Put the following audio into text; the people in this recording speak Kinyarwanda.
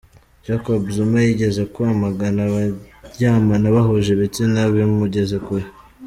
Jacob Zuma yigeze kwamagana abaryamana bahuje ibitsina bimugeza kure